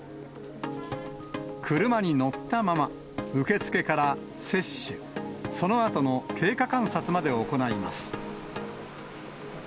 車に乗ったまま、受け付けから接種、そのあとの経過観察までを行います。